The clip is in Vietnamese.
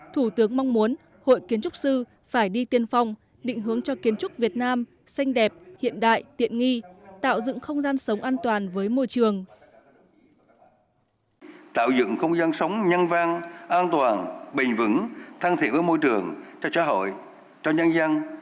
thủ tướng mong muốn hội kiến trúc sư phải đi tiên phong định hướng cho kiến trúc việt nam xanh đẹp hiện đại tiện nghi tạo dựng không gian sống an toàn với môi trường